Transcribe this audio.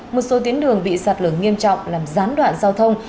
một số tiến đường bị sạt lửa nghiêm trọng làm gián đoạn giao thông